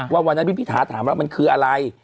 วันนั้นพี่พิธาถามว่ามันคืออะไร